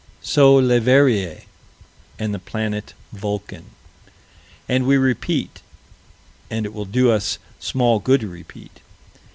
So Leverrier and the "planet Vulcan." And we repeat, and it will do us small good to repeat.